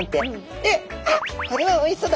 で「あっこれはおいしそうだ」